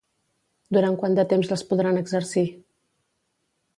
Durant quant de temps les podran exercir?